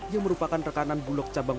yang merupakan rekanan bulog cabang